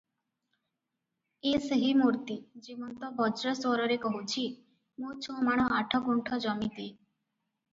ଏ ସେହି ମୂର୍ତ୍ତି, ଯେମନ୍ତ ବଜ୍ର ସ୍ୱରରେ କହୁଛି, "ମୋ ଛମାଣ ଆଠଗୁଣ୍ଠ ଜମି ଦେ ।"